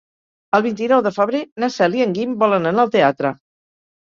El vint-i-nou de febrer na Cel i en Guim volen anar al teatre.